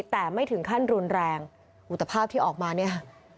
แต่ไม่ถึงขั้นรุนแรงอุตภาพที่ออกมาเนี่ย